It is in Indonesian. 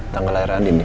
tanggal lahir andin nih